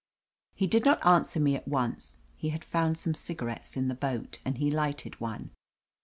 He did not answer me at once. He had found some cigarettes in the boat, and he lighted one.